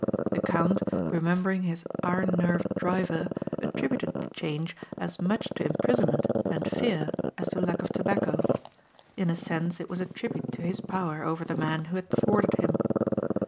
The count, remembering his iron nerved driver, attributed the change as much to imprisonment and fear as to lack of tobacco. In a sense it was a tribute to his power over the man who had thwarted him.